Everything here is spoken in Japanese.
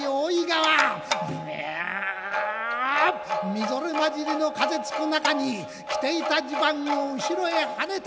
みぞれ混じりの風つく中に着ていたじゅばんを後ろへはねた！